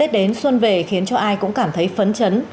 tết đến xuân về khiến cho ai cũng cảm thấy phấn chấn